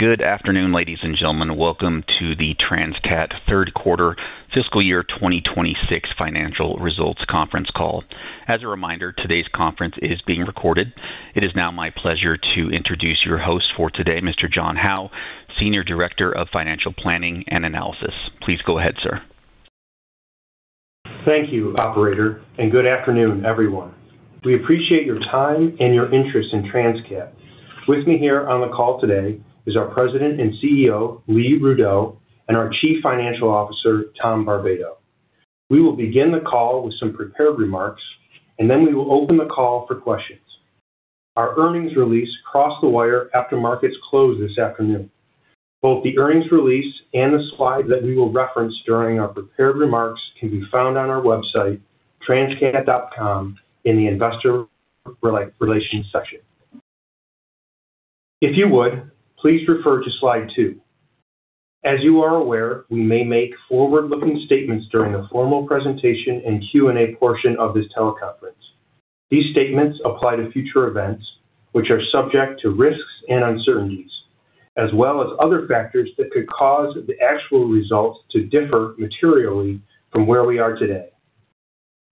Good afternoon, ladies and gentlemen. Welcome to the Transcat third quarter fiscal year 2026 financial results conference call. As a reminder, today's conference is being recorded. It is now my pleasure to introduce your host for today, Mr. John Howe, Senior Director of Financial Planning and Analysis. Please go ahead, sir. Thank you, operator, and good afternoon, everyone. We appreciate your time and your interest in Transcat. With me here on the call today is our President and CEO, Lee Rudow, and our Chief Financial Officer, Tom Barbato. We will begin the call with some prepared remarks, and then we will open the call for questions. Our earnings release crossed the wire after markets closed this afternoon. Both the earnings release and the slide that we will reference during our prepared remarks can be found on our website, transcat.com, in the investor relations section. If you would, please refer to slide two. As you are aware, we may make forward-looking statements during the formal presentation and Q&A portion of this teleconference. These statements apply to future events, which are subject to risks and uncertainties, as well as other factors that could cause the actual results to differ materially from where we are today.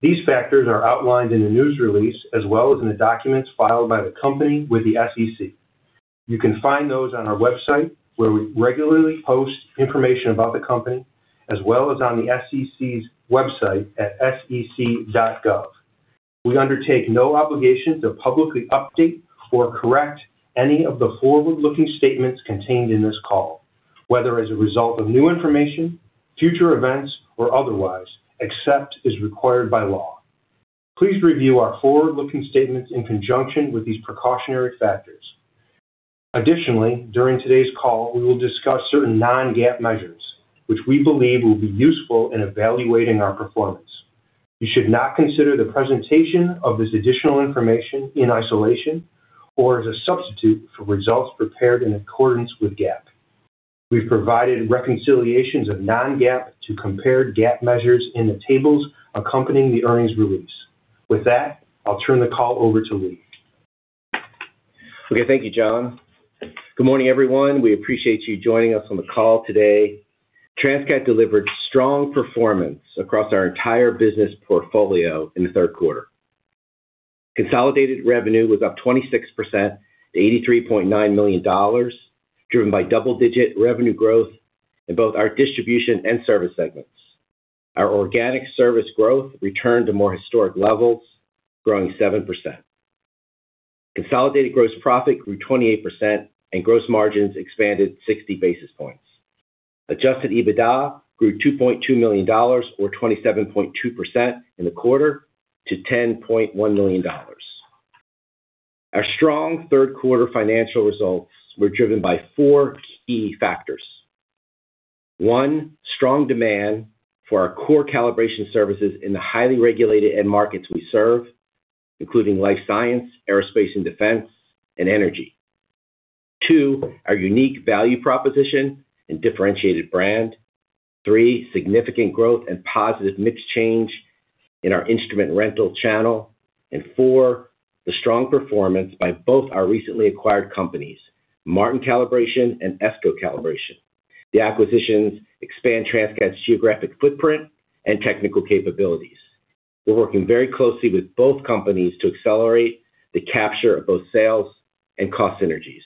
These factors are outlined in the news release, as well as in the documents filed by the company with the SEC. You can find those on our website, where we regularly post information about the company, as well as on the SEC's website at sec.gov. We undertake no obligation to publicly update or correct any of the forward-looking statements contained in this call, whether as a result of new information, future events, or otherwise, except as required by law. Please review our forward-looking statements in conjunction with these precautionary factors. Additionally, during today's call, we will discuss certain non-GAAP measures, which we believe will be useful in evaluating our performance. You should not consider the presentation of this additional information in isolation or as a substitute for results prepared in accordance with GAAP. We've provided reconciliations of Non-GAAP to compare GAAP measures in the tables accompanying the earnings release. With that, I'll turn the call over to Lee. Okay. Thank you, John. Good morning, everyone. We appreciate you joining us on the call today. Transcat delivered strong performance across our entire business portfolio in the third quarter. Consolidated revenue was up 26% to $83.9 million, driven by double-digit revenue growth in both our distribution and service segments. Our organic service growth returned to more historic levels, growing 7%. Consolidated gross profit grew 28%, and gross margins expanded 60 basis points. Adjusted EBITDA grew $2.2 million or 27.2% in the quarter to $10.1 million. Our strong third quarter financial results were driven by four key factors. One, strong demand for our core calibration services in the highly regulated end markets we serve, including life science, aerospace and defense, and energy. Two, our unique value proposition and differentiated brand. 3, significant growth and positive mix change in our instrument rental channel. And 4, the strong performance by both our recently acquired companies, Martin Calibration and Essco Calibration. The acquisitions expand Transcat's geographic footprint and technical capabilities. We're working very closely with both companies to accelerate the capture of both sales and cost synergies.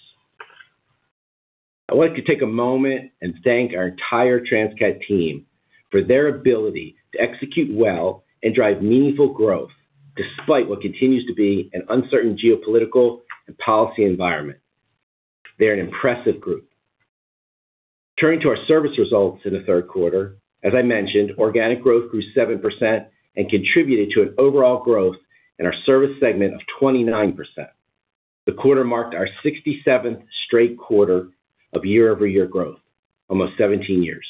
I'd like to take a moment and thank our entire Transcat team for their ability to execute well and drive meaningful growth, despite what continues to be an uncertain geopolitical and policy environment. They're an impressive group. Turning to our service results in the third quarter, as I mentioned, organic growth grew 7% and contributed to an overall growth in our service segment of 29%. The quarter marked our 67th straight quarter of year-over-year growth, almost 17 years.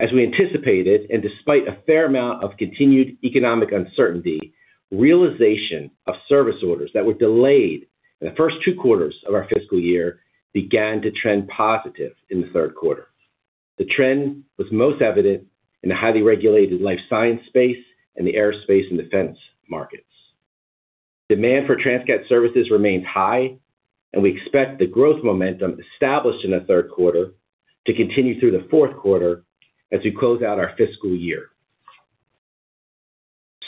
As we anticipated, and despite a fair amount of continued economic uncertainty, realization of service orders that were delayed in the first two quarters of our fiscal year began to trend positive in the third quarter. The trend was most evident in the highly regulated life science space and the aerospace and defense markets. Demand for Transcat services remains high, and we expect the growth momentum established in the third quarter to continue through the fourth quarter as we close out our fiscal year.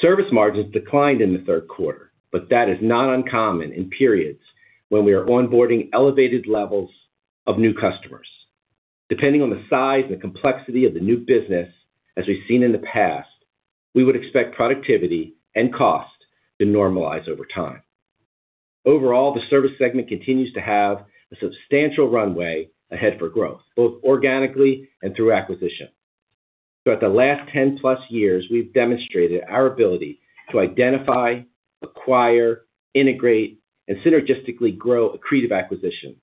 Service margins declined in the third quarter, but that is not uncommon in periods when we are onboarding elevated levels of new customers. Depending on the size and complexity of the new business, as we've seen in the past, we would expect productivity and cost to normalize over time. Overall, the service segment continues to have a substantial runway ahead for growth, both organically and through acquisition. Throughout the last 10-plus years, we've demonstrated our ability to identify, acquire, integrate, and synergistically grow accretive acquisitions.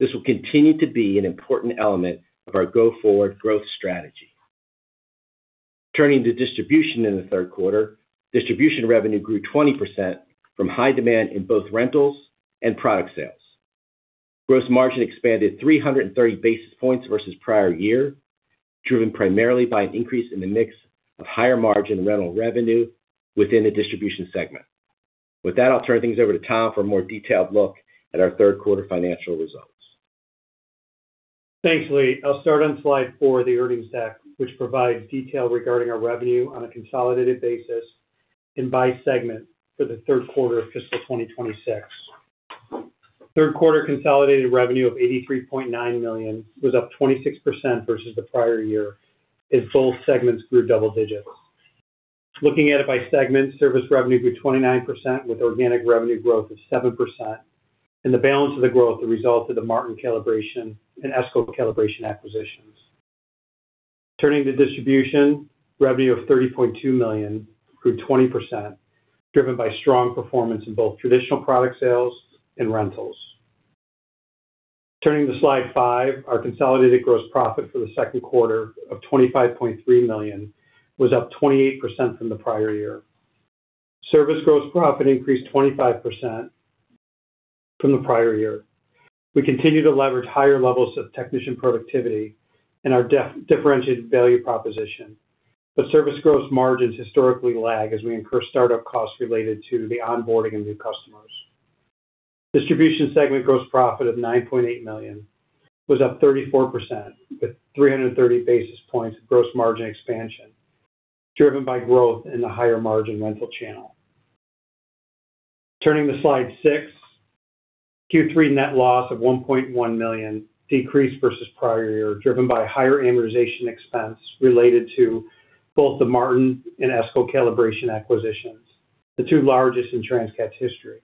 This will continue to be an important element of our go-forward growth strategy. Turning to distribution in the third quarter, distribution revenue grew 20% from high demand in both rentals and product sales. Gross margin expanded 330 basis points versus prior year, driven primarily by an increase in the mix of higher margin rental revenue within the distribution segment. With that, I'll turn things over to Tom for a more detailed look at our third quarter financial results. Thanks, Lee. I'll start on slide 4 of the earnings deck, which provides detail regarding our revenue on a consolidated basis and by segment for the third quarter of fiscal 2026. Third quarter consolidated revenue of $83.9 million was up 26% versus the prior year, as both segments grew double digits. Looking at it by segment, service revenue grew 29%, with organic revenue growth of 7%, and the balance of the growth, the result of the Martin Calibration and Essco Calibration acquisitions. Turning to distribution, revenue of $30.2 million grew 20%, driven by strong performance in both traditional product sales and rentals. Turning to slide five, our consolidated gross profit for the second quarter of $25.3 million was up 28% from the prior year. Service gross profit increased 25% from the prior year. We continue to leverage higher levels of technician productivity and our differentiated value proposition, but service gross margins historically lag as we incur startup costs related to the onboarding of new customers. Distribution segment gross profit of $9.8 million was up 34%, with 330 basis points of gross margin expansion, driven by growth in the higher margin rental channel. Turning to slide six, Q3 net loss of $1.1 million decreased versus prior year, driven by higher amortization expense related to both the Martin and Essco Calibration acquisitions, the two largest in Transcat's history,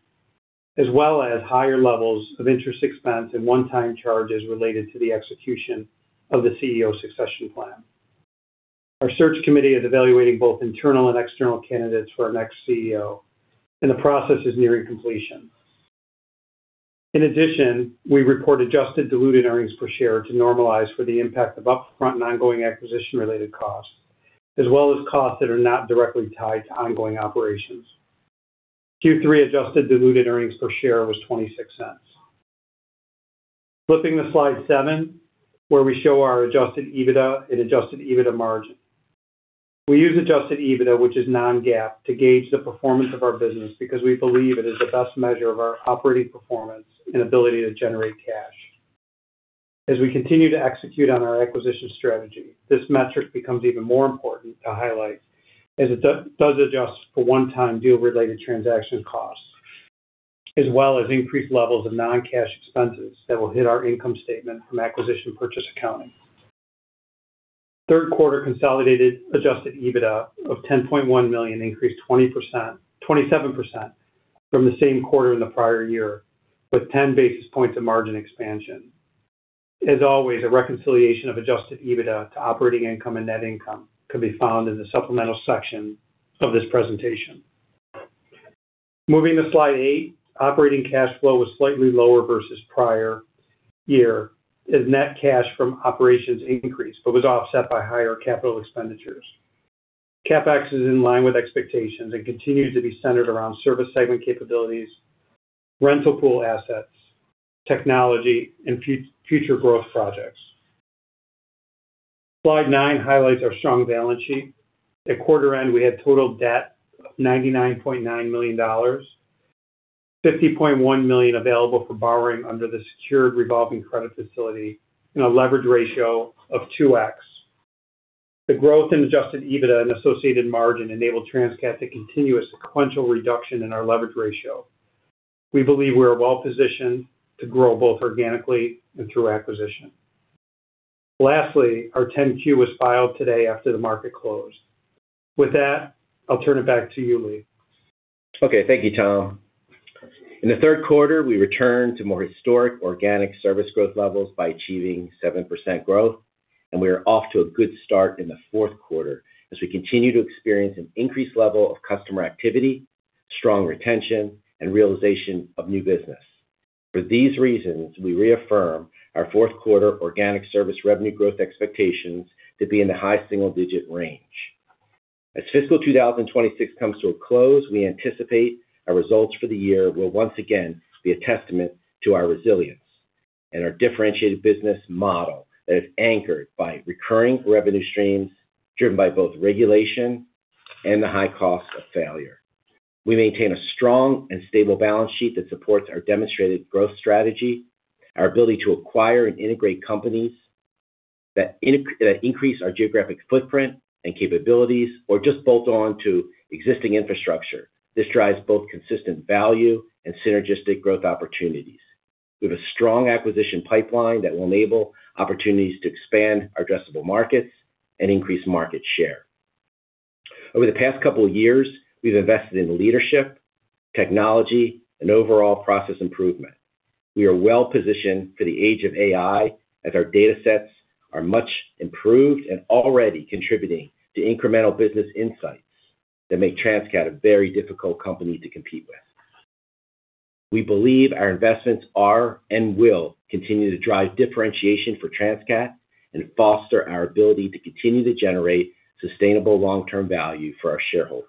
as well as higher levels of interest expense and one-time charges related to the execution of the CEO succession plan. Our search committee is evaluating both internal and external candidates for our next CEO, and the process is nearing completion. In addition, we report Adjusted Diluted Earnings Per Share to normalize for the impact of upfront and ongoing acquisition-related costs, as well as costs that are not directly tied to ongoing operations. Q3 Adjusted Diluted Earnings Per Share was $0.26. Flipping to slide seven, where we show our Adjusted EBITDA and Adjusted EBITDA margin. We use Adjusted EBITDA, which is non-GAAP, to gauge the performance of our business because we believe it is the best measure of our operating performance and ability to generate cash. As we continue to execute on our acquisition strategy, this metric becomes even more important to highlight, as it does adjust for one-time deal-related transaction costs, as well as increased levels of non-cash expenses that will hit our income statement from acquisition purchase accounting. Third quarter consolidated adjusted EBITDA of $10.1 million increased 27% from the same quarter in the prior year, with 10 basis points of margin expansion. As always, a reconciliation of adjusted EBITDA to operating income and net income can be found in the supplemental section of this presentation. Moving to slide eight, operating cash flow was slightly lower versus prior year, as net cash from operations increased, but was offset by higher capital expenditures. CapEx is in line with expectations and continues to be centered around service segment capabilities, rental pool assets, technology, and future growth projects. Slide nine highlights our strong balance sheet. At quarter end, we had total debt of $99.9 million, $50.1 million available for borrowing under the secured revolving credit facility, and a leverage ratio of 2x. The growth in Adjusted EBITDA and associated margin enabled Transcat to continue a sequential reduction in our leverage ratio. We believe we are well positioned to grow both organically and through acquisition. Lastly, our 10-Q was filed today after the market closed. With that, I'll turn it back to you, Lee. Okay, thank you, Tom. In the third quarter, we returned to more historic organic service growth levels by achieving 7% growth, and we are off to a good start in the fourth quarter as we continue to experience an increased level of customer activity, strong retention, and realization of new business. For these reasons, we reaffirm our fourth quarter organic service revenue growth expectations to be in the high single-digit range. As fiscal 2026 comes to a close, we anticipate our results for the year will once again be a testament to our resilience and our differentiated business model that is anchored by recurring revenue streams driven by both regulation and the high cost of failure. We maintain a strong and stable balance sheet that supports our demonstrated growth strategy, our ability to acquire and integrate companies that increase our geographic footprint and capabilities, or just bolt on to existing infrastructure. This drives both consistent value and synergistic growth opportunities. We have a strong acquisition pipeline that will enable opportunities to expand our addressable markets and increase market share. Over the past couple of years, we've invested in leadership, technology, and overall process improvement. We are well positioned for the age of AI, as our data sets are much improved and already contributing to incremental business insights that make Transcat a very difficult company to compete with. We believe our investments are and will continue to drive differentiation for Transcat and foster our ability to continue to generate sustainable long-term value for our shareholders.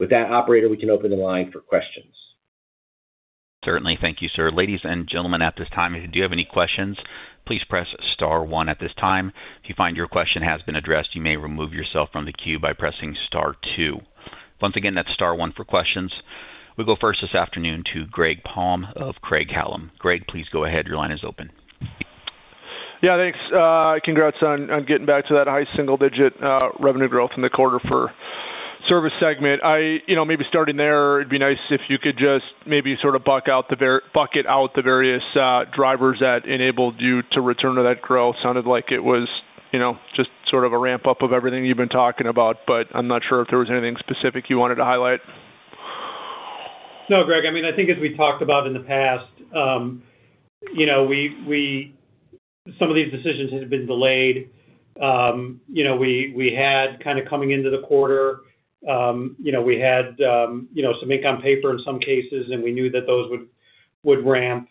With that, operator, we can open the line for questions. ...Certainly. Thank you, sir. Ladies and gentlemen, at this time, if you do have any questions, please press star one at this time. If you find your question has been addressed, you may remove yourself from the queue by pressing star two. Once again, that's star one for questions. We go first this afternoon to Greg Palm of Craig-Hallum. Greg, please go ahead. Your line is open. Yeah, thanks. Congrats on getting back to that high single digit revenue growth in the quarter for service segment. You know, maybe starting there, it'd be nice if you could just maybe sort of bucket out the various drivers that enabled you to return to that growth. Sounded like it was, you know, just sort of a ramp up of everything you've been talking about, but I'm not sure if there was anything specific you wanted to highlight. No, Greg, I mean, I think as we talked about in the past, you know, we some of these decisions had been delayed. You know, we had kind of coming into the quarter, you know, we had you know some ink on paper in some cases, and we knew that those would ramp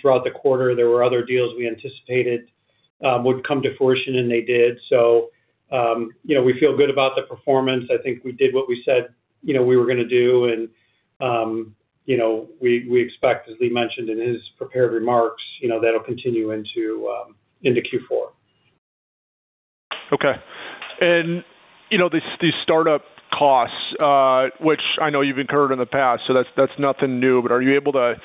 throughout the quarter. There were other deals we anticipated would come to fruition, and they did. So, you know, we feel good about the performance. I think we did what we said, you know, we were gonna do, and you know, we expect, as Lee mentioned in his prepared remarks, you know, that'll continue into into Q4. Okay. And, you know, these start-up costs, which I know you've incurred in the past, so that's nothing new, but are you able to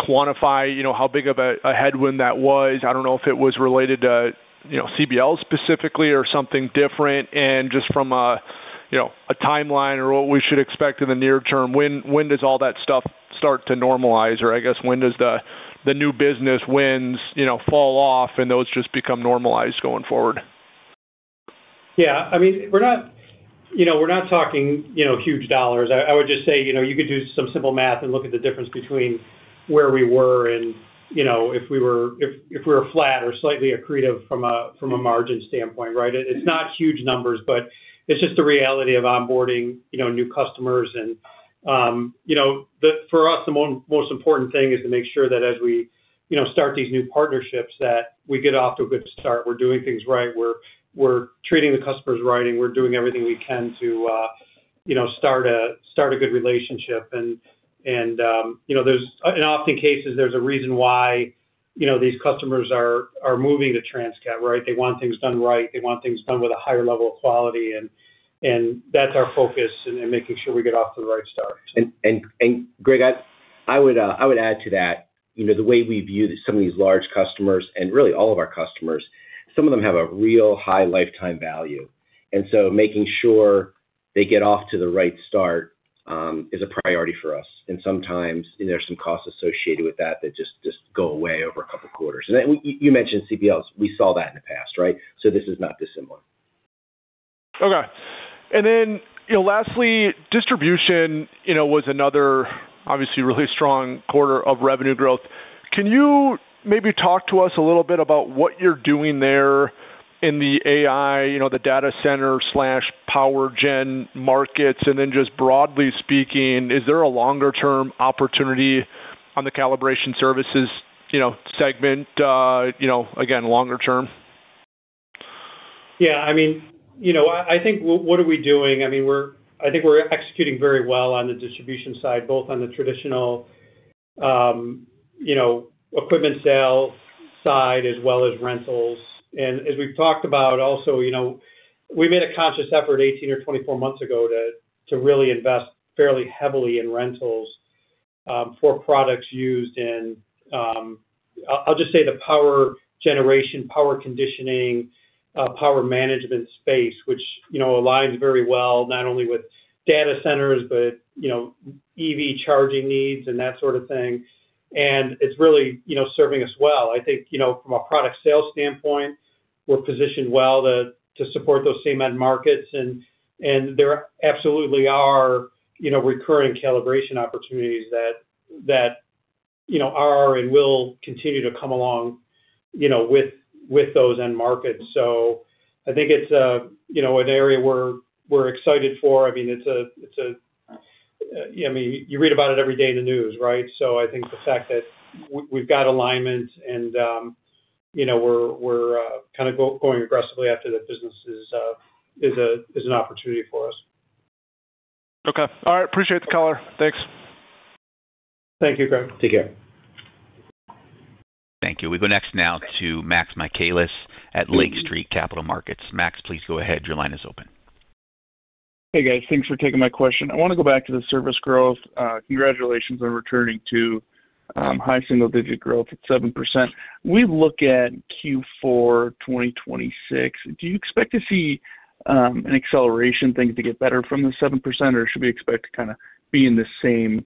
quantify, you know, how big of a headwind that was? I don't know if it was related to, you know, CBL specifically or something different. And just from a, you know, a timeline or what we should expect in the near term, when does all that stuff start to normalize? Or I guess, when does the new business winds, you know, fall off and those just become normalized going forward? Yeah, I mean, we're not, you know, we're not talking, you know, huge dollars. I would just say, you know, you could do some simple math and look at the difference between where we were and, you know, if we were flat or slightly accretive from a, from a margin standpoint, right? It's not huge numbers, but it's just the reality of onboarding, you know, new customers. And, you know, the... For us, the most important thing is to make sure that as we, you know, start these new partnerships, that we get off to a good start. We're doing things right, we're treating the customers right, and we're doing everything we can to, you know, start a good relationship. You know, there's in many cases a reason why, you know, these customers are moving to Transcat, right? They want things done right. They want things done with a higher level of quality, and that's our focus in making sure we get off to the right start. Greg, I would add to that. You know, the way we view some of these large customers and really all of our customers, some of them have a real high lifetime value. And so making sure they get off to the right start is a priority for us. And sometimes there are some costs associated with that that just go away over a couple quarters. And then you mentioned CBLs. We saw that in the past, right? So this is not dissimilar. Okay. And then, you know, lastly, distribution, you know, was another obviously really strong quarter of revenue growth. Can you maybe talk to us a little bit about what you're doing there in the AI, you know, the data center/power gen markets? And then just broadly speaking, is there a longer term opportunity on the calibration services, you know, segment, you know, again, longer term? Yeah, I mean, you know, I think what are we doing? I mean, we're executing very well on the distribution side, both on the traditional, you know, equipment sales side as well as rentals. And as we've talked about, also, you know, we made a conscious effort 18 or 24 months ago to really invest fairly heavily in rentals for products used in... I'll just say the power generation, power conditioning, power management space, which, you know, aligns very well, not only with data centers but, you know, EV charging needs and that sort of thing. And it's really, you know, serving us well. I think, you know, from a product sales standpoint, we're positioned well to support those same end markets. And there absolutely are, you know, recurring calibration opportunities that, you know, are and will continue to come along, you know, with those end markets. So I think it's a, you know, an area we're excited for. I mean, it's a. I mean, you read about it every day in the news, right? So I think the fact that we've got alignment and, you know, we're kind of going aggressively after that business is an opportunity for us. Okay. All right, appreciate the color. Thanks. Thank you, Greg. Take care. Thank you. We go next now to Max Michaelis at Lake Street Capital Markets. Max, please go ahead. Your line is open. Hey, guys. Thanks for taking my question. I wanna go back to the service growth. Congratulations on returning to high single digit growth at 7%. We look at Q4 2026, do you expect to see an acceleration, things to get better from the 7%, or should we expect to kind of be in the same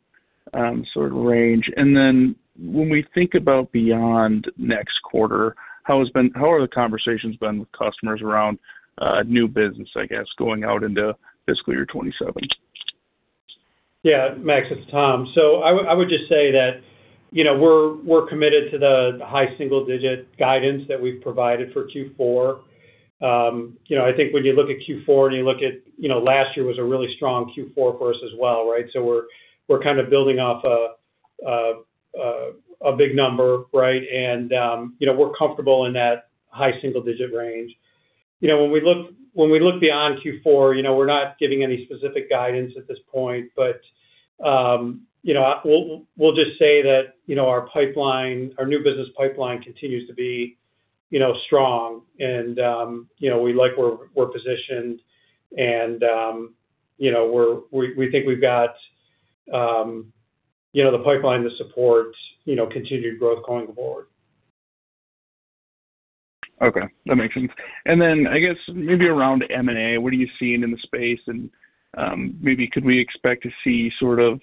sort of range? And then when we think about beyond next quarter, how are the conversations been with customers around new business, I guess, going out into fiscal year 2027? Yeah, Max, it's Tom. So I would, I would just say that, you know, we're, we're committed to the high single digit guidance that we've provided for Q4. You know, I think when you look at Q4 and you look at, you know, last year was a really strong Q4 for us as well, right? So we're, we're kind of building off a big number, right? And, you know, we're comfortable in that high single-digit range. You know, when we look, when we look beyond Q4, you know, we're not giving any specific guidance at this point, but, you know, we'll, we'll just say that, you know, our pipeline, our new business pipeline continues to be, you know, strong. You know, we like where we're positioned and, you know, we think we've got, you know, the pipeline to support, you know, continued growth going forward. Okay, that makes sense. And then, I guess maybe around M&A, what are you seeing in the space? And, maybe could we expect to see sort of,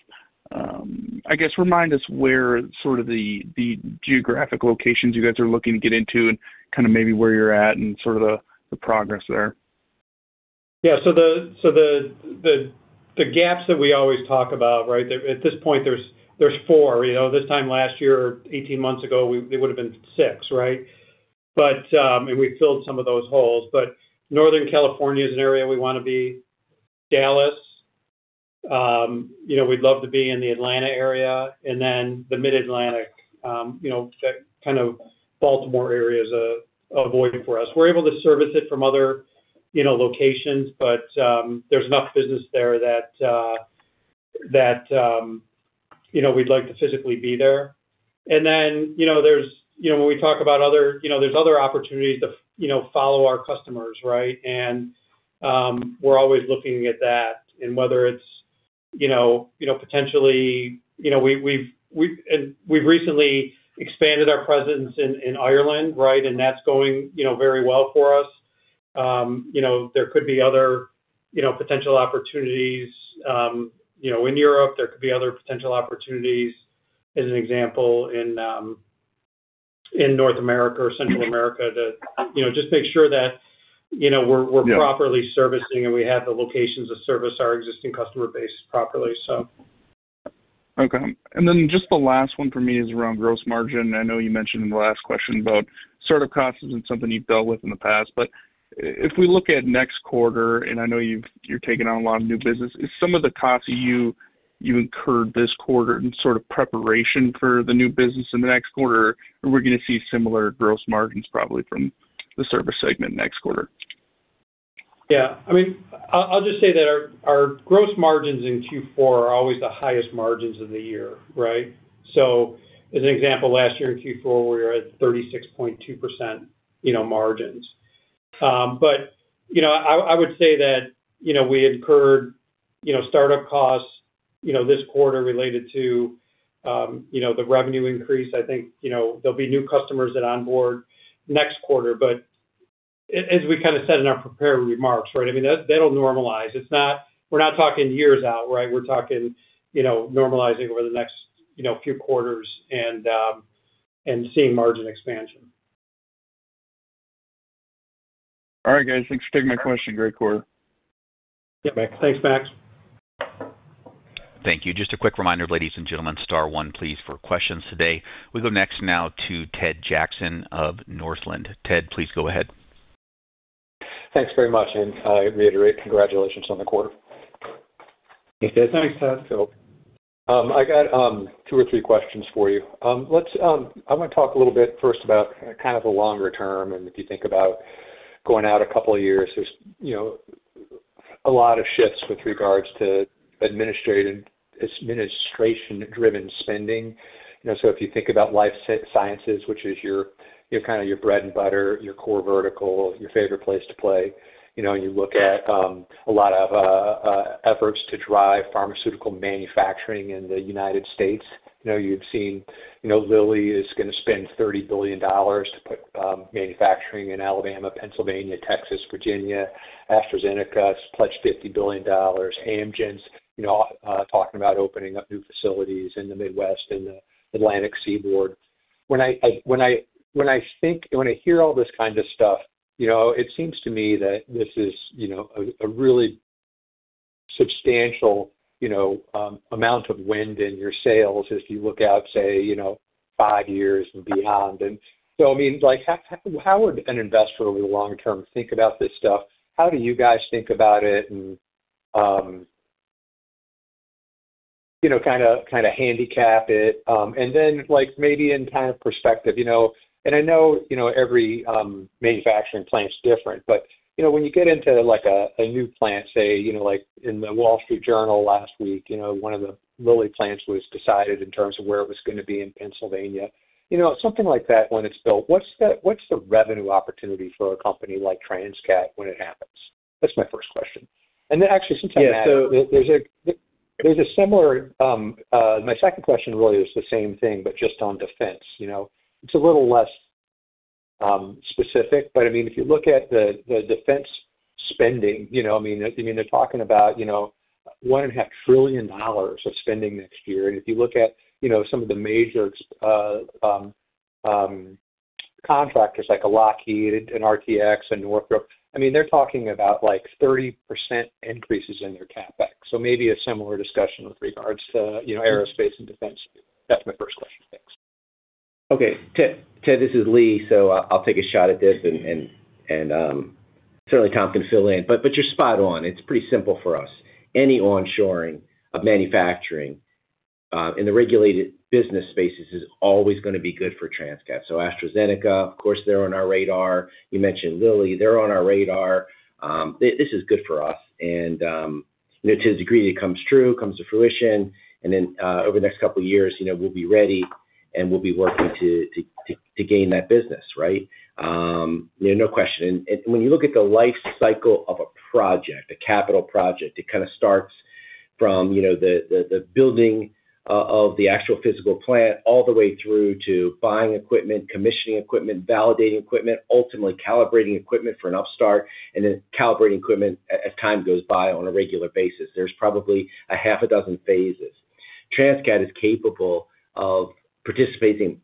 I guess remind us where sort of the, the geographic locations you guys are looking to get into and kind of maybe where you're at and sort of the, the progress there. Yeah. So the gaps that we always talk about, right? At this point, there's four. You know, this time last year, 18 months ago, they would've been six, right? But we filled some of those holes. But Northern California is an area we wanna be, Dallas, you know, we'd love to be in the Atlanta area, and then the Mid-Atlantic, you know, the kind of Baltimore area is a void for us. We're able to service it from other, you know, locations, but there's enough business there that, you know, we'd like to physically be there. And then, you know, when we talk about other, you know, there's other opportunities to, you know, follow our customers, right? And we're always looking at that. And we've recently expanded our presence in Ireland, right? And that's going, you know, very well for us. You know, there could be other, you know, potential opportunities, you know, in Europe, there could be other potential opportunities, as an example, in North America or Central America, to, you know, just make sure that, you know, we're, we're- Yeah ...properly servicing, and we have the locations to service our existing customer base properly, so. Okay. And then just the last one for me is around gross margin. I know you mentioned in the last question about startup costs and something you've dealt with in the past. But if we look at next quarter, and I know you're taking on a lot of new business, is some of the costs you incurred this quarter in sort of preparation for the new business in the next quarter, or we're gonna see similar gross margins, probably from the service segment next quarter? Yeah. I mean, I'll just say that our gross margins in Q4 are always the highest margins of the year, right? So as an example, last year in Q4, we were at 36.2%, you know, margins. But, you know, I would say that, you know, we incurred, you know, startup costs, you know, this quarter related to, you know, the revenue increase. I think, you know, there'll be new customers that onboard next quarter. But as we kind of said in our prepared remarks, right, I mean, that, that'll normalize. It's not. We're not talking years out, right? We're talking, you know, normalizing over the next, you know, few quarters and seeing margin expansion. All right, guys, thanks for taking my question. Great quarter. Yeah, thanks, Max. Thank you. Just a quick reminder, ladies and gentlemen, star one, please, for questions today. We go next now to Ted Jackson of Northland. Ted, please go ahead. Thanks very much, and I reiterate congratulations on the quarter. Thanks, Ted. Thanks, Ted. I got two or three questions for you. Let's talk a little bit first about kind of the longer term, and if you think about going out a couple of years, there's, you know, a lot of shifts with regards to administration-driven spending. You know, so if you think about life sciences, which is your kind of your bread and butter, your core vertical, your favorite place to play, you know, and you look at a lot of efforts to drive pharmaceutical manufacturing in the United States. You know, you've seen, you know, Lilly is gonna spend $30 billion to put manufacturing in Alabama, Pennsylvania, Texas, Virginia. AstraZeneca's pledged $50 billion. Amgen's, you know, talking about opening up new facilities in the Midwest and the Atlantic Seaboard. When I hear all this kind of stuff, you know, it seems to me that this is, you know, a really substantial, you know, amount of wind in your sails as you look out, say, you know, five years and beyond. So, I mean, like, how would an investor over the long term think about this stuff? How do you guys think about it and, you know, kind of handicap it? And then, like, maybe in kind of perspective, you know, and I know, you know, every manufacturing plant is different, but, you know, when you get into, like, a new plant, say, you know, like in the Wall Street Journal last week, you know, one of the Lilly plants was decided in terms of where it was gonna be in Pennsylvania. You know, something like that when it's built, what's the revenue opportunity for a company like Transcat when it happens? That's my first question. And then actually, since I'm at it- Yeah, so-... There's a similar, my second question really is the same thing, but just on defense, you know? It's a little less specific, but I mean, if you look at the defense spending, you know, I mean, they're talking about, you know, $1.5 trillion of spending next year. And if you look at, you know, some of the major contractors like a Lockheed, an RTX and Northrop, I mean, they're talking about like 30% increases in their CapEx. So maybe a similar discussion with regards to, you know, aerospace and defense. That's my first question. Thanks. Okay, Ted, Ted, this is Lee. So I'll take a shot at this, and certainly, Tom can fill in, but, but you're spot on. It's pretty simple for us. Any onshoring of manufacturing in the regulated business spaces is always gonna be good for Transcat. So AstraZeneca, of course, they're on our radar. You mentioned Lilly, they're on our radar. This is good for us. And, you know, to the degree it comes true, comes to fruition, and then, over the next couple of years, you know, we'll be ready, and we'll be working to, to, to, to gain that business, right? Yeah, no question. When you look at the life cycle of a project, a capital project, it kind of starts from, you know, the building of the actual physical plant, all the way through to buying equipment, commissioning equipment, validating equipment, ultimately calibrating equipment for an upstart, and then calibrating equipment as time goes by on a regular basis. There's probably a half a dozen phases. Transcat is capable of participating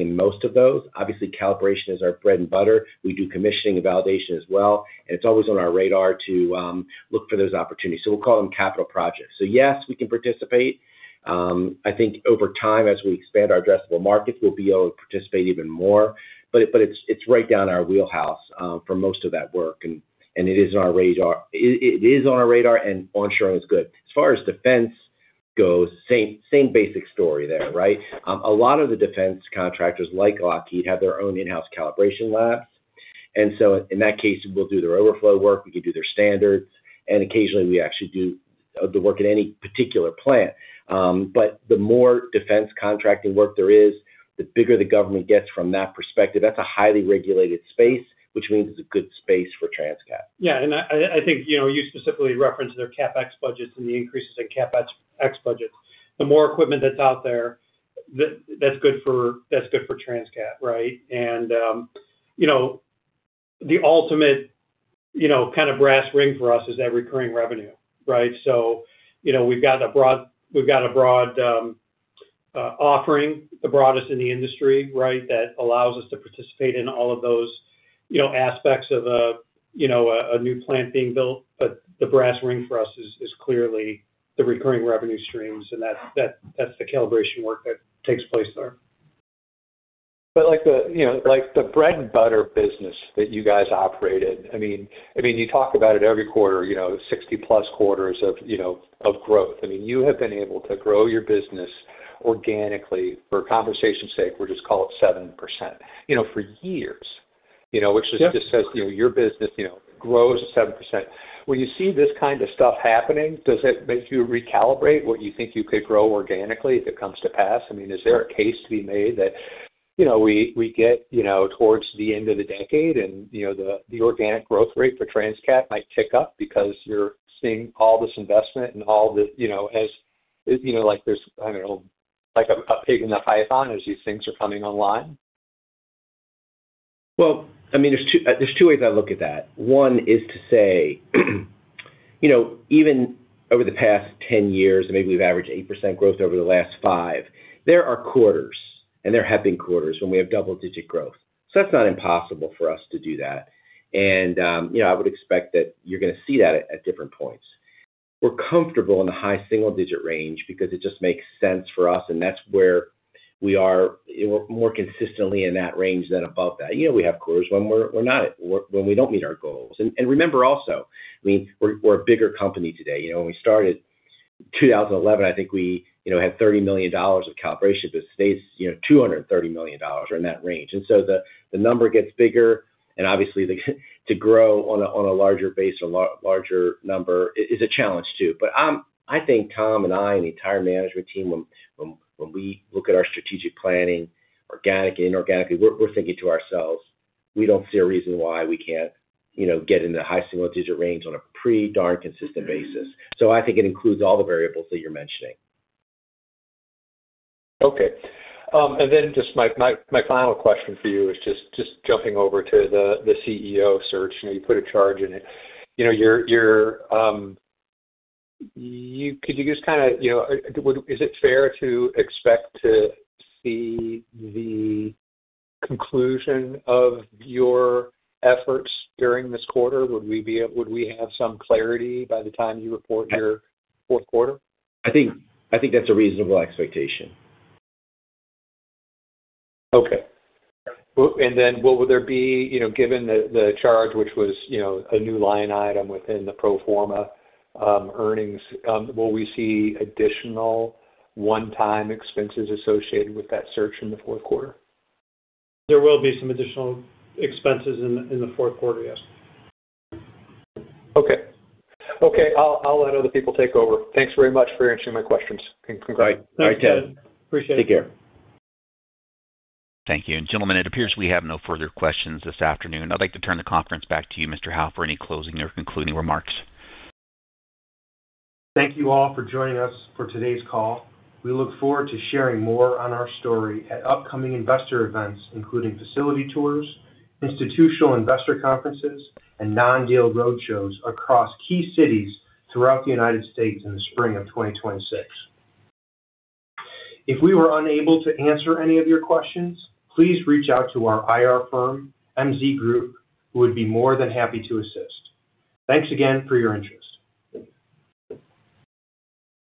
in most of those. Obviously, calibration is our bread and butter. We do commissioning and validation as well, and it's always on our radar to look for those opportunities. So we'll call them capital projects. So yes, we can participate. I think over time, as we expand our addressable markets, we'll be able to participate even more. But it's right down our wheelhouse for most of that work, and it is on our radar. It is on our radar, and onshoring is good. As far as defense goes, same basic story there, right? A lot of the defense contractors, like Lockheed, have their own in-house calibration labs. And so in that case, we'll do their overflow work, we can do their standards, and occasionally, we actually do the work at any particular plant. But the more defense contracting work there is, the bigger the government gets from that perspective. That's a highly regulated space, which means it's a good space for Transcat. Yeah, and I think, you know, you specifically referenced their CapEx budgets and the increases in CapEx budgets. The more equipment that's out there, that's good for Transcat, right? And, you know, the ultimate, you know, kind of brass ring for us is that recurring revenue, right? So, you know, we've got a broad, we've got a broad offering, the broadest in the industry, right? That allows us to participate in all of those, you know, aspects of a new plant being built. But the brass ring for us is clearly the recurring revenue streams, and that's the calibration work that takes place there. But like the bread and butter business that you guys operate in, I mean, you talk about it every quarter, you know, 60+ quarters of growth. I mean, you have been able to grow your business organically. For conversation's sake, we'll just call it 7%, you know, for years. You know, which just- Yeah. says, you know, your business, you know, grows at 7%. When you see this kind of stuff happening, does it make you recalibrate what you think you could grow organically if it comes to pass? I mean, is there a case to be made that, you know, we, we get, you know, towards the end of the decade and, you know, the, the organic growth rate for Transcat might tick up because you're seeing all this investment and all the, you know, as, you know, like there's, I don't know, like a, a pig in the python as these things are coming online? Well, I mean, there's 2 ways I look at that. One is to say, you know, even over the past 10 years, maybe we've averaged 8% growth over the last 5. There are quarters, and there have been quarters when we have double-digit growth. So that's not impossible for us to do that. And, you know, I would expect that you're gonna see that at different points. We're comfortable in the high single digit range because it just makes sense for us, and that's where we are, you know, more consistently in that range than above that. You know, we have quarters when we're not at, when we don't meet our goals. And, remember also, I mean, we're a bigger company today. You know, when we started in 2011, I think we, you know, had $30 million of calibration, but today, it's, you know, $230 million or in that range. And so the number gets bigger, and obviously, to grow on a larger base, a lot larger number, it is a challenge, too. But I think Tom and I, and the entire management team, when we look at our strategic planning, organic and inorganically, we're thinking to ourselves, we don't see a reason why we can't, you know, get in the high single-digit range on a pretty darn consistent basis. So I think it includes all the variables that you're mentioning. Okay. And then just my final question for you is just jumping over to the CEO search. You know, you put a charge in it. You know, you're could you just kinda, you know, is it fair to expect to see the conclusion of your efforts during this quarter? Would we have some clarity by the time you report your fourth quarter? I think, I think that's a reasonable expectation. Okay. Well, and then will there be, you know, given the charge, which was, you know, a new line item within the pro forma earnings, will we see additional one-time expenses associated with that search in the fourth quarter? There will be some additional expenses in the fourth quarter, yes. Okay. Okay, I'll, I'll let other people take over. Thanks very much for answering my questions, and congratulations. All right. All right, Ted. Appreciate it. Take care. Thank you. Gentlemen, it appears we have no further questions this afternoon. I'd like to turn the conference back to you, Mr. Howe, for any closing or concluding remarks. Thank you all for joining us for today's call. We look forward to sharing more on our story at upcoming investor events, including facility tours, institutional investor conferences, and non-deal roadshows across key cities throughout the United States in the spring of 2026. If we were unable to answer any of your questions, please reach out to our IR firm, MZ Group, who would be more than happy to assist. Thanks again for your interest.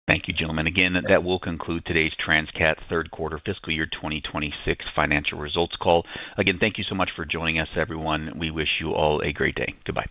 Thank you, gentlemen. Again, that will conclude today's Transcat third quarter fiscal year 2026 financial results call. Again, thank you so much for joining us, everyone. We wish you all a great day. Goodbye.